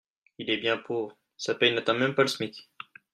Il est bien pauvre, sa paye n'atteint même pas le smic.